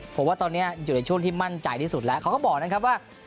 ผมว่าตอนนี้อยู่ในช่วงที่มั่นใจที่สุดแล้วเขาก็บอกนะครับว่า